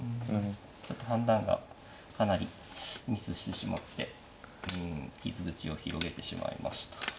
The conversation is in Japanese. ちょっと判断がかなりミスしてしまってうん傷口を広げてしまいました。